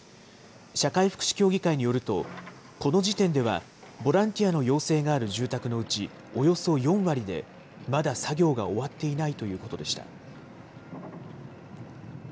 社会福祉協議会によると、この時点では、ボランティアの要請がある住宅のうちおよそ４割でまだ作業が終わっていないということでした。